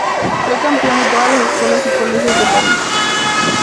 Fue campeón de todas las escuelas y colegios de París.